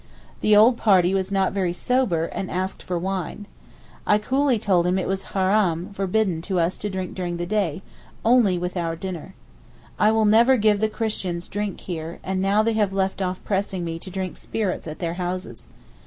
The old party was not very sober, and asked for wine. I coolly told him it was haraam (forbidden) to us to drink during the day—only with our dinner. I never will give the Christians drink here, and now they have left off pressing me to drink spirits at their houses.